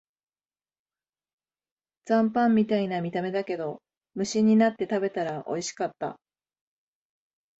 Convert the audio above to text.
残飯みたいな見た目だけど、無心になって食べたらおいしかった